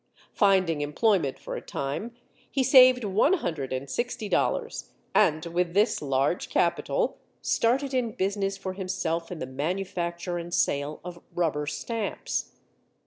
Finding employment for a time, he saved One Hundred and Sixty Dollars, and, with this large capital, started in business for himself in the manufacture and sale of rubber stamps.